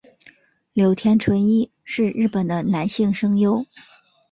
柳田淳一是日本的男性声优。